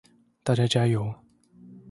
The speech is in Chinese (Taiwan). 大家加油